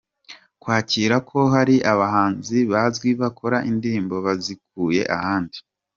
kwakira ko hari abahanzi bazwi bakora indirimbo bazikuye ahandi.